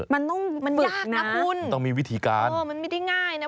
มันต้องฝึกนะมันยากนะคุณมันต้องมีวิธีการมันไม่ได้ง่ายนะ